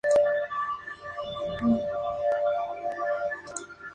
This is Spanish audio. Apio Claudio había traído una escolta armada y acusó a los ciudadanos de sedición.